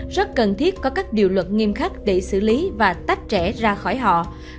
rất cần thiết có các điều luật nghiêm khắc để xử lý và tách trẻ ra khỏi họ